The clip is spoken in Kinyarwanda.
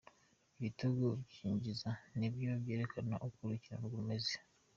Ibitego yinjiza ni vyo vyerekana uko urukino rumeze.